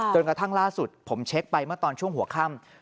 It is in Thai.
กระทั่งล่าสุดผมเช็คไปเมื่อตอนช่วงหัวค่ำ